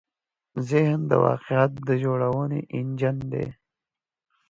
ذهن د واقعیت د جوړونې انجن دی.